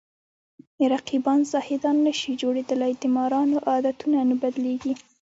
رقیبان زاهدان نشي جوړېدلی د مارانو عادتونه نه بدلېږي